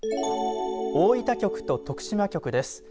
大分局と徳島局です。